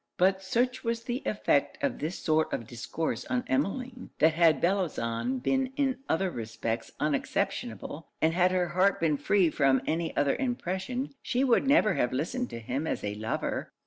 But such was the effect of this sort of discourse on Emmeline, that had Bellozane been in other respects unexceptionable, and had her heart been free from any other impression, she would never have listened to him as a lover.